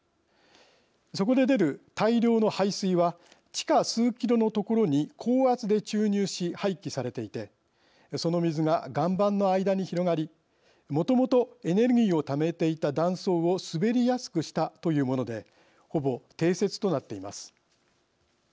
そこで出る大量の廃水は地下数キロのところに高圧で注入し廃棄されていてその水が岩盤の間に広がりもともとエネルギーをためていた断層を滑りやすくしたというものでほぼ定説となっています。